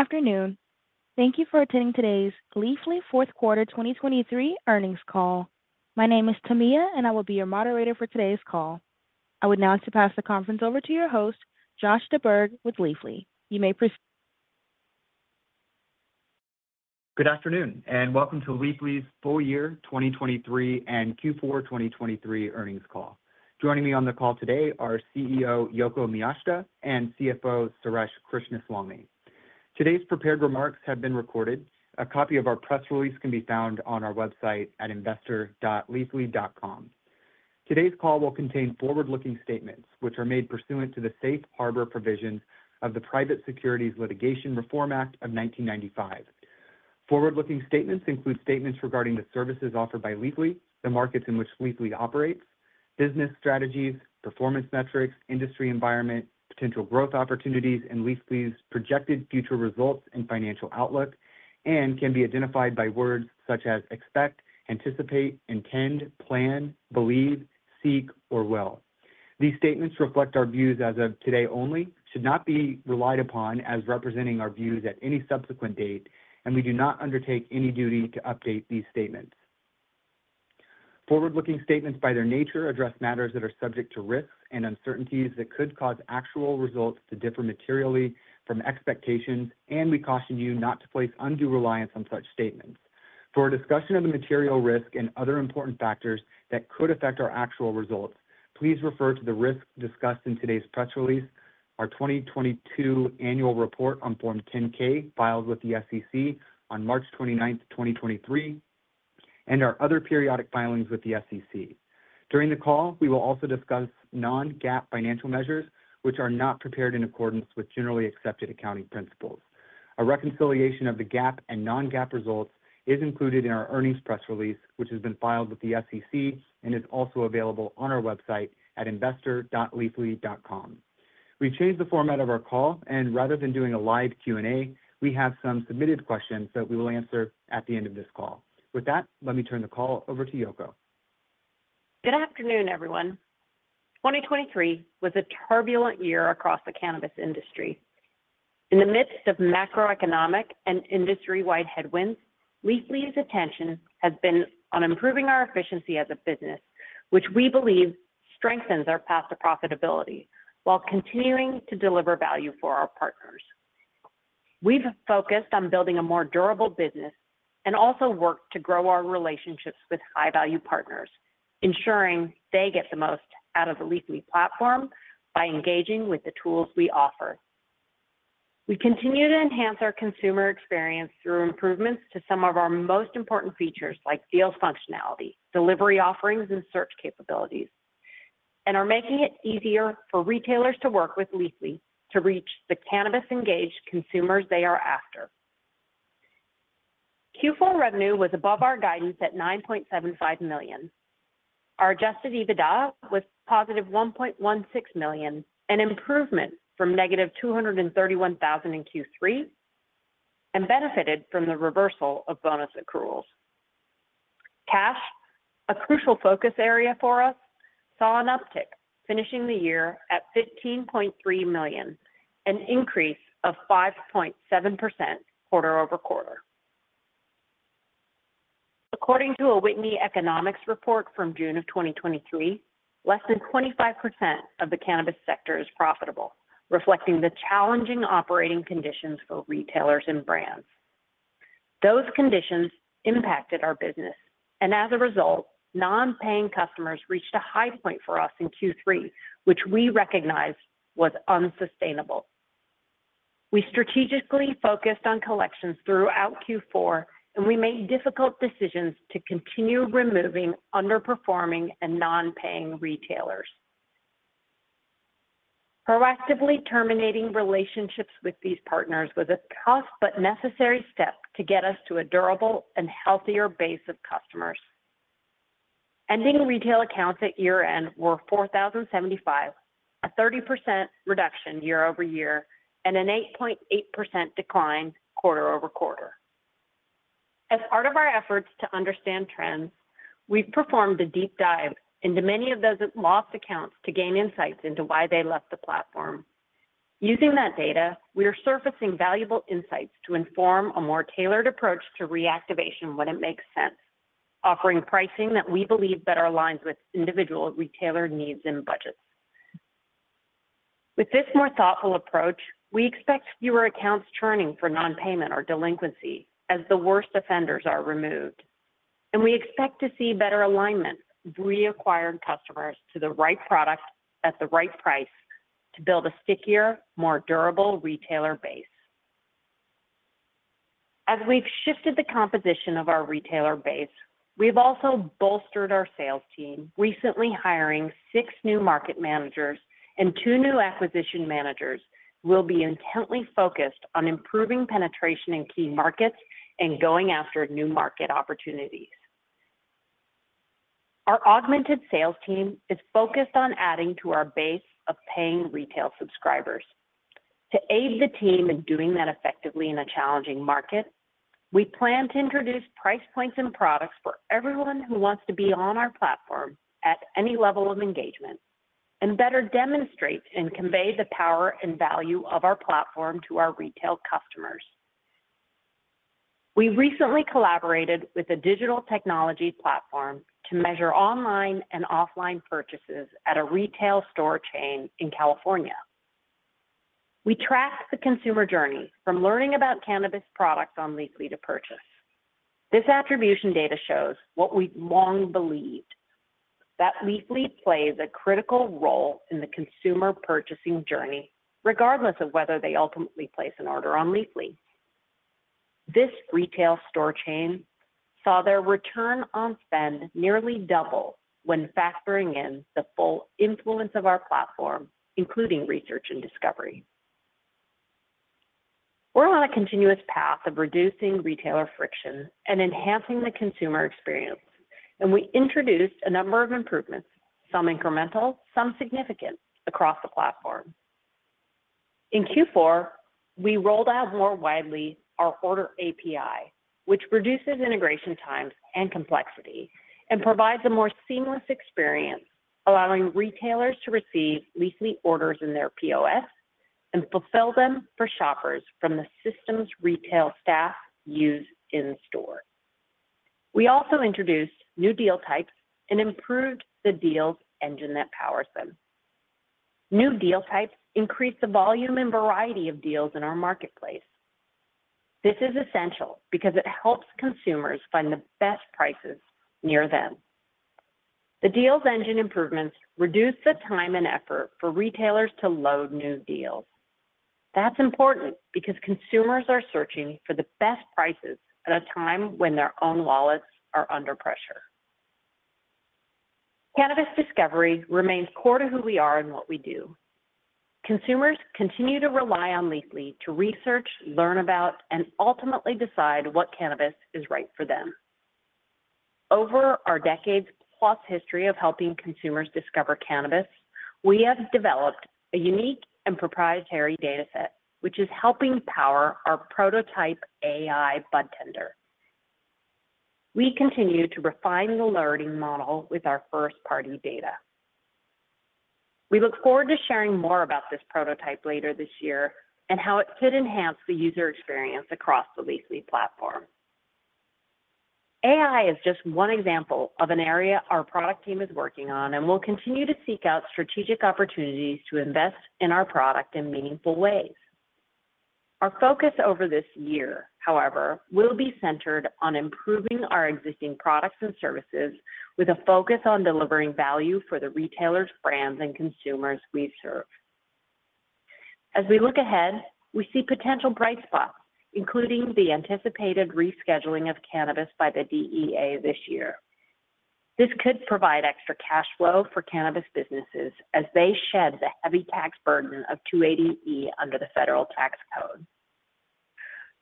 Good afternoon. Thank you for attending today's Leafly Fourth Quarter 2023 earnings call. My name is Tamia, and I will be your moderator for today's call. I would now like to pass the conference over to your host, Josh DeBerge, with Leafly. You may proceed. Good afternoon, and welcome to Leafly's full year 2023 and Q4 2023 earnings call. Joining me on the call today are CEO Yoko Miyashita and CFO Suresh Krishnaswamy. Today's prepared remarks have been recorded. A copy of our press release can be found on our website at investor.leafly.com. Today's call will contain forward-looking statements which are made pursuant to the Safe Harbor Provisions of the Private Securities Litigation Reform Act of 1995. Forward-looking statements include statements regarding the services offered by Leafly, the markets in which Leafly operates, business strategies, performance metrics, industry environment, potential growth opportunities, and Leafly's projected future results and financial outlook, and can be identified by words such as expect, anticipate, intend, plan, believe, seek or will. These statements reflect our views as of today only, should not be relied upon as representing our views at any subsequent date, and we do not undertake any duty to update these statements. Forward-looking statements, by their nature, address matters that are subject to risks and uncertainties that could cause actual results to differ materially from expectations, and we caution you not to place undue reliance on such statements. For a discussion of the material risk and other important factors that could affect our actual results, please refer to the risks discussed in today's press release, our 2022 annual report on Form 10-K, filed with the SEC on March 29th, 2023, and our other periodic filings with the SEC. During the call, we will also discuss non-GAAP financial measures, which are not prepared in accordance with generally accepted accounting principles. A reconciliation of the GAAP and non-GAAP results is included in our earnings press release, which has been filed with the SEC and is also available on our website at investor.leafly.com. We've changed the format of our call, and rather than doing a live Q&A, we have some submitted questions that we will answer at the end of this call. With that, let me turn the call over to Yoko. Good afternoon, everyone. 2023 was a turbulent year across the cannabis industry. In the midst of macroeconomic and industry-wide headwinds, Leafly's attention has been on improving our efficiency as a business, which we believe strengthens our path to profitability while continuing to deliver value for our partners. We've focused on building a more durable business and also worked to grow our relationships with high-value partners, ensuring they get the most out of the Leafly platform by engaging with the tools we offer. We continue to enhance our consumer experience through improvements to some of our most important features, like deals functionality, delivery offerings, and search capabilities, and are making it easier for retailers to work with Leafly to reach the cannabis-engaged consumers they are after. Q4 revenue was above our guidance at $9.75 million. Our Adjusted EBITDA was positive $1.16 million, an improvement from negative $231,000 in Q3, and benefited from the reversal of bonus accruals. Cash, a crucial focus area for us, saw an uptick, finishing the year at $15.3 million, an increase of 5.7% quarter-over-quarter. According to a Whitney Economics report from June of 2023, less than 25% of the cannabis sector is profitable, reflecting the challenging operating conditions for retailers and brands. Those conditions impacted our business, and as a result, non-paying customers reached a high point for us in Q3, which we recognized was unsustainable. We strategically focused on collections throughout Q4, and we made difficult decisions to continue removing underperforming and non-paying retailers. Proactively terminating relationships with these partners was a tough but necessary step to get us to a durable and healthier base of customers. Ending retail accounts at year-end were 4,075, a 30% reduction year-over-year, and an 8.8% decline quarter-over-quarter. As part of our efforts to understand trends, we've performed a deep dive into many of those lost accounts to gain insights into why they left the platform. Using that data, we are surfacing valuable insights to inform a more tailored approach to reactivation when it makes sense, offering pricing that we believe better aligns with individual retailer needs and budgets. With this more thoughtful approach, we expect fewer accounts churning for non-payment or delinquency as the worst offenders are removed, and we expect to see better alignment of reacquired customers to the right product at the right price to build a stickier, more durable retailer base. we've shifted the composition of our retailer base, we've also bolstered our sales team, recently hiring 6 new market managers and 2 new acquisition managers, who will be intently focused on improving penetration in key markets and going after new market opportunities. Our augmented sales team is focused on adding to our base of paying retail subscribers. To aid the team in doing that effectively in a challenging market, we plan to introduce price points and products for everyone who wants to be on our platform at any level of engagement. Better demonstrate and convey the power and value of our platform to our retail customers. We recently collaborated with a digital technology platform to measure online and offline purchases at a retail store chain in California. We tracked the consumer journey from learning about cannabis products on Leafly to purchase. This attribution data shows what we've long believed, that Leafly plays a critical role in the consumer purchasing journey, regardless of whether they ultimately place an order on Leafly. This retail store chain saw their return on spend nearly double when factoring in the full influence of our platform, including research and discovery. We're on a continuous path of reducing retailer friction and enhancing the consumer experience, and we introduced a number of improvements, some incremental, some significant, across the platform. In Q4, we rolled out more widely our order API, which reduces integration times and complexity, and provides a more seamless experience, allowing retailers to receive Leafly orders in their POS and fulfill them for shoppers from the systems retail staff use in store. We also introduced new deal types and improved the deals engine that powers them. New deal types increase the volume and variety of deals in our marketplace. This is essential because it helps consumers find the best prices near them. The deals engine improvements reduce the time and effort for retailers to load new deals. That's important because consumers are searching for the best prices at a time when their own wallets are under pressure. Cannabis discovery remains core to who we are and what we do. Consumers continue to rely on Leafly to research, learn about, and ultimately decide what cannabis is right for them. Over our decades-plus history of helping consumers discover cannabis, we have developed a unique and proprietary data set, which is helping power our prototype AI Budtender. We continue to refine the learning model with our first-party data. We look forward to sharing more about this prototype later this year, and how it could enhance the user experience across the Leafly Platform. AI is just one example of an area our product team is working on, and we'll continue to seek out strategic opportunities to invest in our product in meaningful ways. Our focus over this year, however, will be centered on improving our existing products and services with a focus on delivering value for the retailers, brands, and consumers we serve. we look ahead, we see potential bright spots, including the anticipated rescheduling of cannabis by the DEA this year. This could provide extra cash flow for cannabis businesses as they shed the heavy tax burden of 280E under the Federal Tax Code.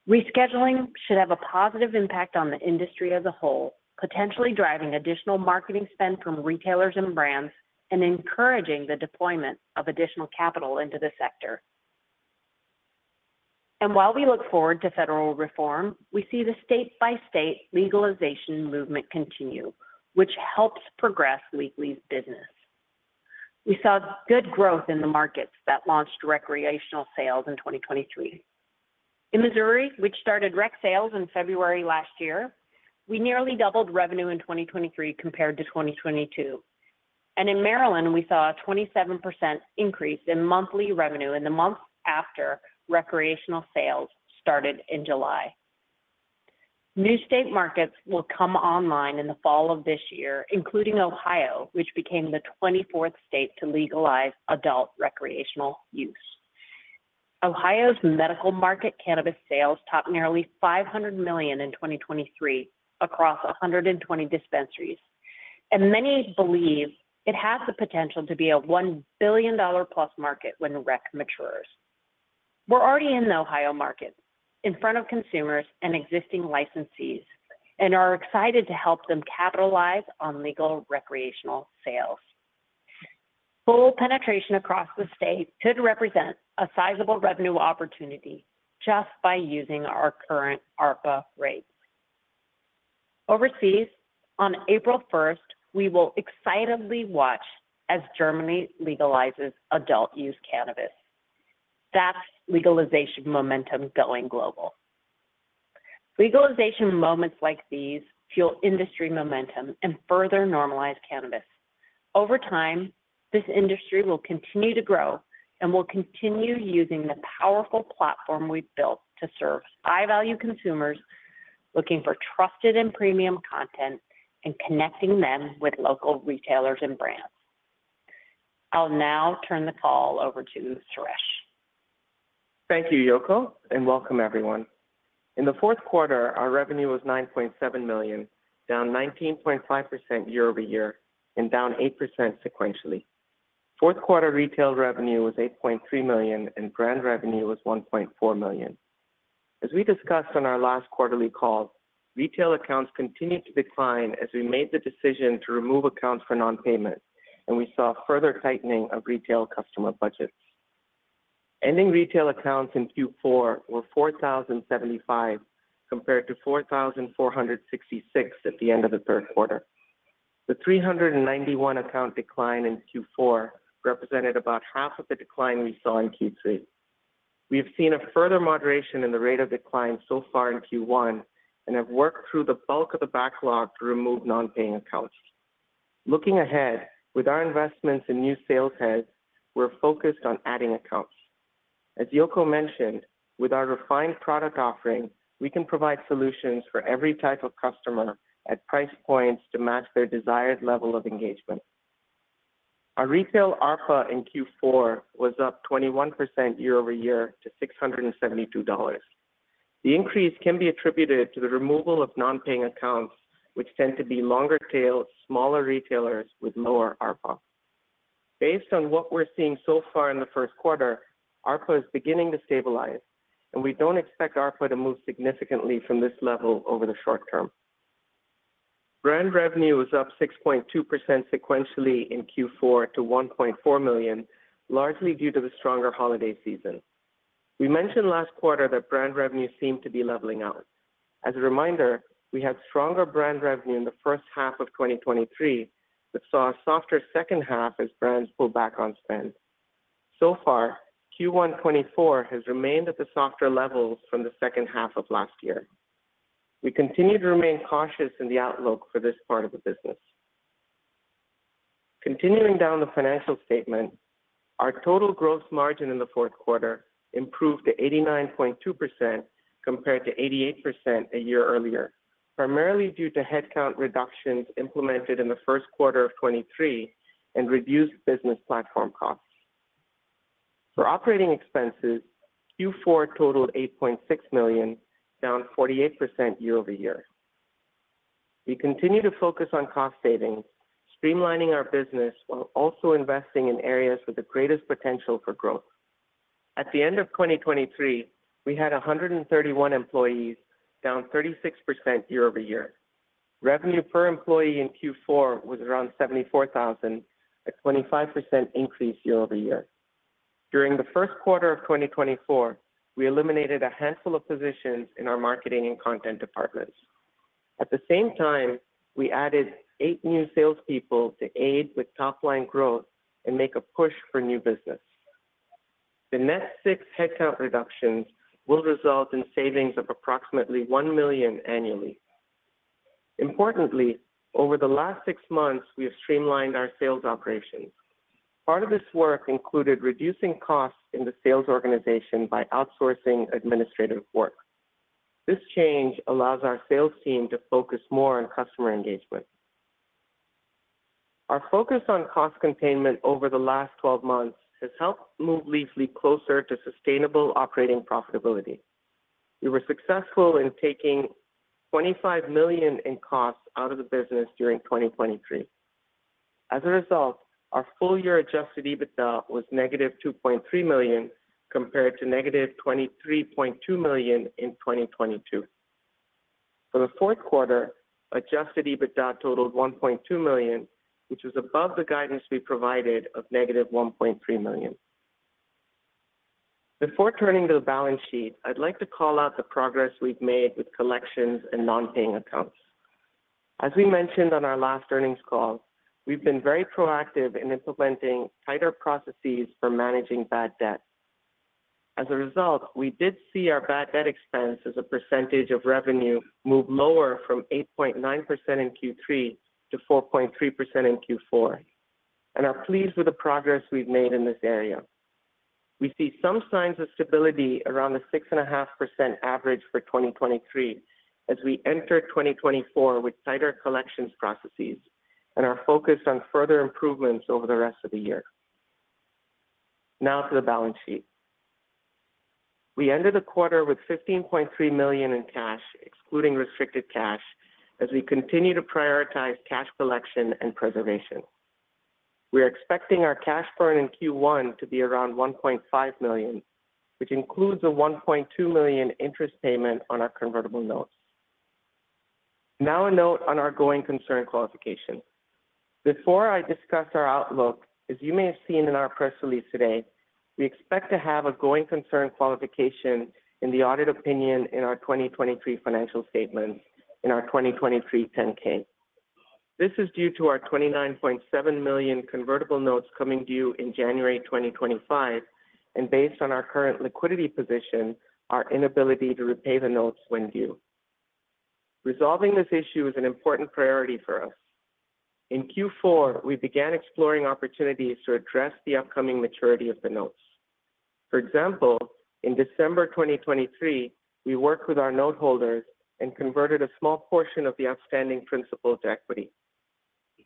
Rescheduling should have a positive impact on the industry as a whole, potentially driving additional marketing spend from retailers and brands, and encouraging the deployment of additional capital into the sector. While we look forward to federal reform, we see the state-by-state legalization movement continue, which helps progress Leafly's business. We saw good growth in the markets that launched recreational sales in 2023. In Missouri, which started rec sales in February last year, we nearly doubled revenue in 2023 compared to 2022, and in Maryland, we saw a 27% increase in monthly revenue in the months after recreational sales started in July. New state markets will come online in the fall of this year, including Ohio, which became the 24th state to legalize adult recreational use. Ohio's medical market cannabis sales topped nearly $500 million in 2023 across 120 dispensaries, and many believe it has the potential to be a $1 billion-plus market when rec matures. We're already in the Ohio market in front of consumers and existing licensees, and are excited to help them capitalize on legal recreational sales. Full penetration across the state could represent a sizable revenue opportunity just by using our current ARPA rates. Overseas, on April 1st, we will excitedly watch as Germany legalizes adult-use cannabis. That's legalization momentum going global. Legalization moments like these fuel industry momentum and further normalize cannabis. Over time, this industry will continue to grow, and we'll continue using the powerful platform we've built to serve high-value consumers looking for trusted and premium content and connecting them with local retailers and brands. I'll now turn the call over to Suresh. Thank you, Yoko, and welcome everyone. In the fourth quarter, our revenue was $9.7 million, down 19.5% year-over-year, and down 8% sequentially. Fourth quarter retail revenue was $8.3 million, and brand revenue was $1.4 million. As we discussed on our last quarterly call, retail accounts continued to decline as we made the decision to remove accounts for non-payment, and we saw further tightening of retail customer budgets. Ending retail accounts in Q4 were 4,075 compared to 4,466 at the end of the third quarter. The 391 account decline in Q4 represented about half of the decline we saw in Q3. We have seen a further moderation in the rate of decline so far in Q1 and have worked through the bulk of the backlog to remove non-paying accounts. Looking ahead, with our investments in new sales heads, we're focused on adding accounts. As Yoko mentioned, with our refined product offering, we can provide solutions for every type of customer at price points to match their desired level of engagement. Our retail ARPA in Q4 was up 21% year-over-year to $672. The increase can be attributed to the removal of non-paying accounts, which tend to be longer tail, smaller retailers with lower ARPA. Based on what we're seeing so far in the first quarter, ARPA is beginning to stabilize, and we don't expect ARPA to move significantly from this level over the short term. Brand revenue was up 6.2% sequentially in Q4 to $1.4 million, largely due to the stronger holiday season. We mentioned last quarter that brand revenue seemed to be leveling out. As a reminder, we had stronger brand revenue in the first half of 2023, but saw a softer second half as brands pulled back on spend. Q1 2024 has remained at the softer levels from the second half of last year. We continue to remain cautious in the outlook for this part of the business. Continuing down the financial statement, our total gross margin in the fourth quarter improved to 89.2%, compared to 88% a year earlier, primarily due to headcount reductions implemented in the first quarter of 2023 and reduced business platform costs. For operating expenses, Q4 totaled $8.6 million, down 48% year-over-year. We continue to focus on cost savings, streamlining our business, while also investing in areas with the greatest potential for growth. At the end of 2023, we had 131 employees, down 36% year-over-year. Revenue per employee in Q4 was around $74,000, a 25% increase year-over-year. During the first quarter of 2024, we eliminated a handful of positions in our marketing and content departments. At the same time, we added 8 new salespeople to aid with top-line growth and make a push for new business. The net 6 headcount reductions will result in savings of approximately $1 million annually. Importantly, over the last 6 months, we have streamlined our sales operations. Part of this work included reducing costs in the sales organization by outsourcing administrative work. This change allows our sales team to focus more on customer engagement. Our focus on cost containment over the last 12 months has helped move Leafly closer to sustainable operating profitability. We were successful in taking $25 million in costs out of the business during 2023. As a result, our full year Adjusted EBITDA was negative $2.3 million, compared to negative $23.2 million in 2022. For the fourth quarter, Adjusted EBITDA totaled $1.2 million, which was above the guidance we provided of negative $1.3 million. Before turning to the balance sheet, I'd like to call out the progress we've made with collections and non-paying accounts. As we mentioned on our last earnings call, we've been very proactive in implementing tighter processes for managing bad debt. As a result, we did see our bad debt expense as a percentage of revenue move lower from 8.9% in Q3 to 4.3% in Q4, and are pleased with the progress we've made in this area. We see some signs of stability around the 6.5% average for 2023 as we enter 2024 with tighter collections processes and are focused on further improvements over the rest of the year. To the balance sheet. We ended the quarter with $15.3 million in cash, excluding restricted cash, as we continue to prioritize cash collection and preservation. We are expecting our cash burn in Q1 to be around $1.5 million, which includes a $1.2 million interest payment on our convertible notes. Now, a note on our going concern qualification. Before I discuss our outlook, as you may have seen in our press release today, we expect to have a going concern qualification in the audited opinion in our 2023 financial statements in our 2023 10-K. This is due to our $29.7 million convertible notes coming due in January 2025, and based on our current liquidity position, our inability to repay the notes when due. Resolving this issue is an important priority for us. In Q4, we began exploring opportunities to address the upcoming maturity of the notes. For example, in December 2023, we worked with our note holders and converted a small portion of the outstanding principal to equity.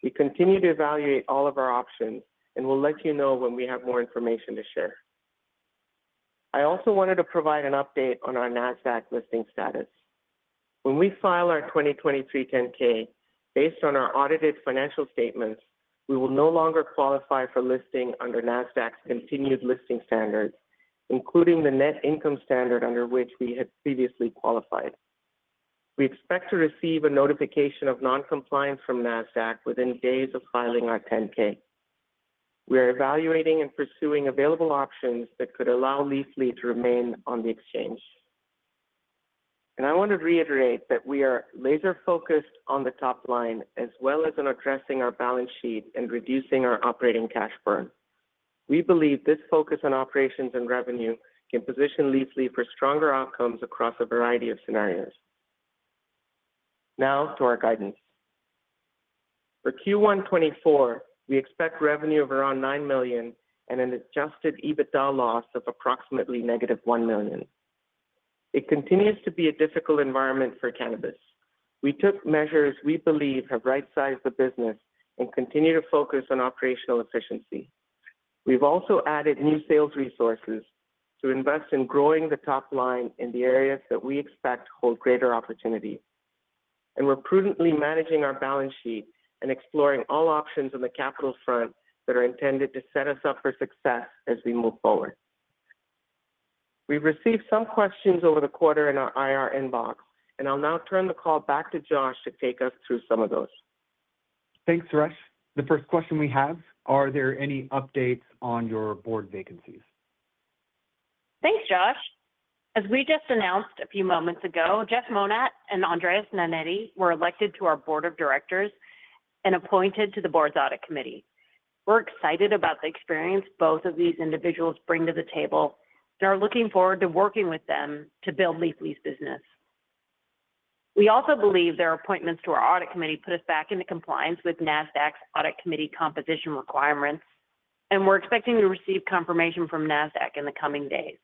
We continue to evaluate all of our options, and we'll let you know when we have more information to share. I also wanted to provide an update on our Nasdaq listing status. When we file our 2023 10-K, based on our audited financial statements, we will no longer qualify for listing under Nasdaq's continued listing standards, including the net income standard under which we had previously qualified. We expect to receive a notification of non-compliance from Nasdaq within days of filing our 10-K. We are evaluating and pursuing available options that could allow Leafly to remain on the exchange. I want to reiterate that we are laser-focused on the top line, as well as on addressing our balance sheet and reducing our operating cash burn. We believe this focus on operations and revenue can position Leafly for stronger outcomes across a variety of scenarios. Now to our guidance. For Q1 2024, we expect revenue of around $9 million and an adjusted EBITDA loss of approximately -$1 million. It continues to be a difficult environment for cannabis. We took measures we believe have right-sized the business and continue to focus on operational efficiency. We've also added new sales resources to invest in growing the top line in the areas that we expect hold greater opportunity. We're prudently managing our balance sheet and exploring all options on the capital front that are intended to set us up for success as we move forward. We've received some questions over the quarter in our IR inbox, and I'll now turn the call back to Josh to take us through some of those. Thanks, Suresh. The first question we have: Are there any updates on your board vacancies? Thanks, Josh. We just announced a few moments ago, Jeff Monat and Andres Nannetti were elected to our board of directors and appointed to the board's audit committee. We're excited about the experience both of these individuals bring to the table and are looking forward to working with them to build Leafly's business. We also believe their appointments to our audit committee put us back into compliance with Nasdaq's audit committee composition requirements, and we're expecting to receive confirmation from Nasdaq in the coming days.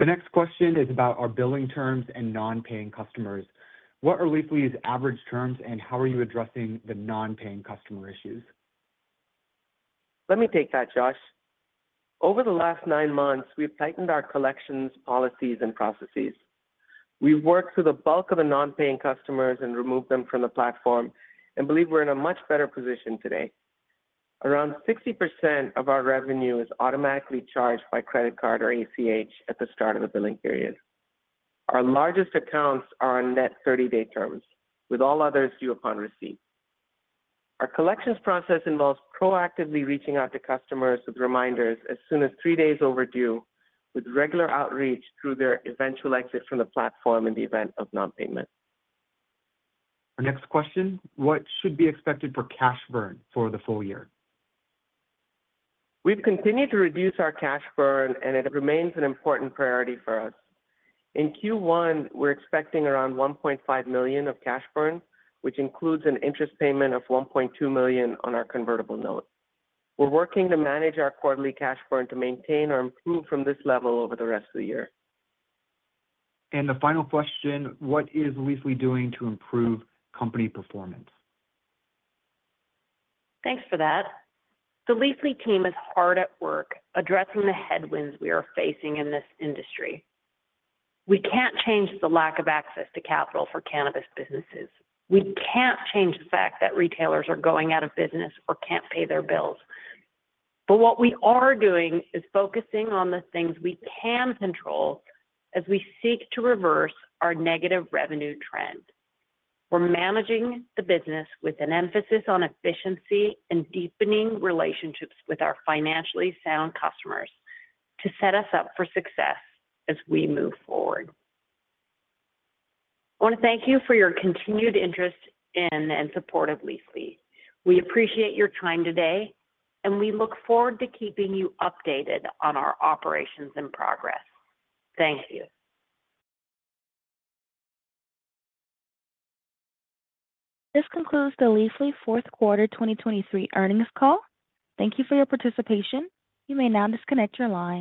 The next question is about our billing terms and non-paying customers. What are Leafly's average terms, and how are you addressing the non-paying customer issues? Let me take that, Josh. Over the last nine months, we've tightened our collections, policies, and processes. We've worked through the bulk of the non-paying customers and removed them from the platform and believe we're in a much better position today. Around 60% of our revenue is automatically charged by credit card or ACH at the start of the billing period. Our largest accounts are on net 30-day terms, with all others due upon receipt. Our collections process involves proactively reaching out to customers with reminders as soon as three days overdue, with regular outreach through their eventual exit from the platform in the event of non-payment. Our next question: What should be expected for cash burn for the full year? We've continued to reduce our cash burn, and it remains an important priority for us. In Q1, we're expecting around $1.5 million of cash burn, which includes an interest payment of $1.2 million on our convertible note. We're working to manage our quarterly cash burn to maintain or improve from this level over the rest of the year. The final question: What is Leafly doing to improve company performance? Thanks for that. The Leafly team is hard at work addressing the headwinds we are facing in this industry. We can't change the lack of access to capital for cannabis businesses. We can't change the fact that retailers are going out of business or can't pay their bills. What we are doing is focusing on the things we can control as we seek to reverse our negative revenue trend. We're managing the business with an emphasis on efficiency and deepening relationships with our financially sound customers to set us up for success as we move forward. I wanna thank you for your continued interest in and support of Leafly. We appreciate your time today, and we look forward to keeping you updated on our operations and progress. Thank you. This concludes the Leafly fourth quarter 2023 earnings call. Thank you for your participation. You may now disconnect your line.